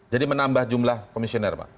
jadi menambah jumlah komisioner pak